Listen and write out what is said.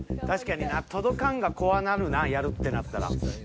確かにな届かんが怖なるなやるってなったら。